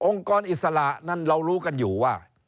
กรอิสระนั้นเรารู้กันอยู่ว่า